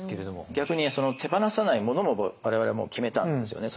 逆に手放さないものも我々もう決めたんですよね。